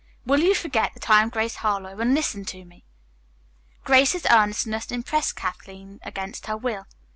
Will you forget that I am Grace Harlowe and listen to me?" Grace's earnestness impressed Kathleen against her will.